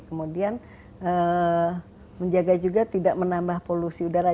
kemudian menjaga juga tidak menambah polusi udara